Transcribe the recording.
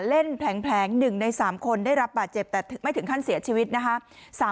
แผลง๑ใน๓คนได้รับบาดเจ็บแต่ไม่ถึงขั้นเสียชีวิตนะคะ